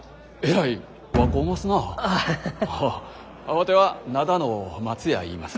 わては灘の松屋いいます。